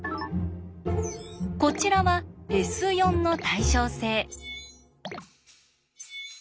こちらは「Ｓ」の対称性。